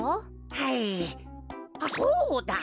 はいあっそうだ！